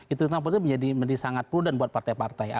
itu menurut saya menjadi sangat prudent buat partai partai